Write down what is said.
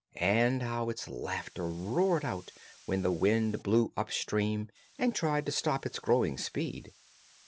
And how its laughter roared out when the wind blew up stream and tried to stop its growing speed!